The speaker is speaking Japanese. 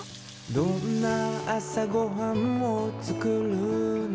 「どんな朝ごはんを作るの？」